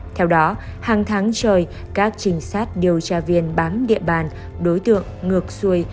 theo đó hàng tháng trời các trình sát điều tra viên bám địa bàn đối tượng ngược xuôi